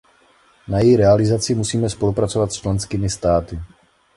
Na její realizaci musíme spolupracovat s členskými státy.